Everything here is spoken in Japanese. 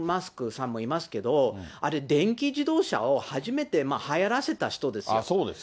さんもいますけど、あれ、電気自動車を初めてはやらせた人ですよ。